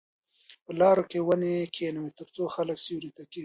په لارو کې ونې کېنئ ترڅو خلک سیوري ته کښېني.